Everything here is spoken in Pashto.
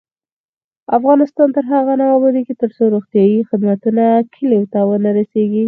افغانستان تر هغو نه ابادیږي، ترڅو روغتیایی خدمتونه کلیو ته ونه رسیږي.